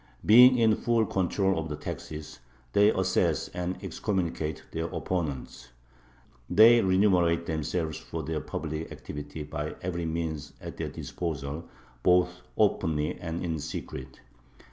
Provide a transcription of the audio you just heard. Being in full control of the taxes, they assess and excommunicate [their opponents]; they remunerate themselves for their public activity by every means at their disposal, both openly and in secret.